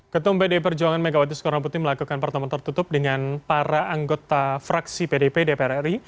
ketum bd perjuangan megawati soekarnoputi melakukan pertemuan tertutup dengan para anggota fraksi pdp dpr ri